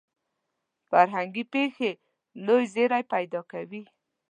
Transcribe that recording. فرهنګي پېښې لوی زیری پیدا کوي.